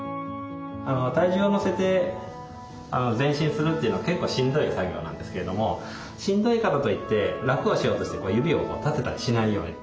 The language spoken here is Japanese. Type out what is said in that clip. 体重を乗せて前進するっていうのは結構しんどい作業なんですけれどもしんどいからといって楽をしようとして指を立てたりしないように。